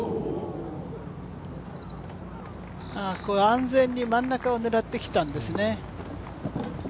安全に真ん中を狙ってきたんですね。